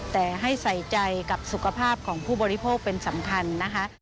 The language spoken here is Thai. แต่ให้ใส่ใจกับสุขภาพของผู้บริโภคเป็นสำคัญนะคะ